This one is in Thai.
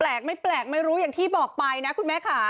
ไม่แปลกไม่รู้อย่างที่บอกไปนะคุณแม่ค่ะ